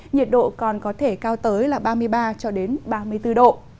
nhiệt độ còn có thể cao tới ba mươi ba ba mươi bốn độ